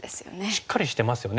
しっかりしてますよね。